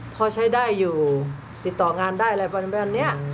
พอใช้ได้อยู่ติดต่องานได้อะไรประมาณนี้